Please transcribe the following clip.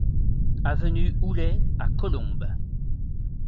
Avenue Houlet à Colombes